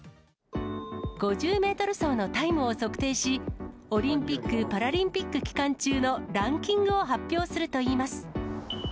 ５０メートル走のタイムを測定し、オリンピック・パラリンピック期間中のランキングを発表するといいます。